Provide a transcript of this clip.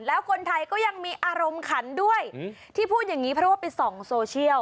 แล้วคนไทยก็ยังมีอารมณ์ขันด้วยที่พูดอย่างนี้เพราะว่าไปส่องโซเชียล